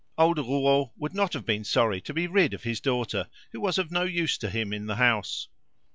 Old Rouault would not have been sorry to be rid of his daughter, who was of no use to him in the house.